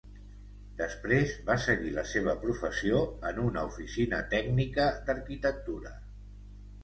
Després va seguir la seva professió en una oficina tècnica d'arquitectura.